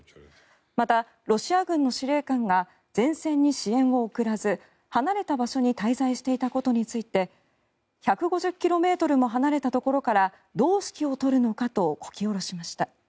また、ロシア軍の司令官が前線に支援を送らず離れた場所に滞在していたことについて１５０ｋｍも離れたところからどう指揮を執るのかとこき下ろしました。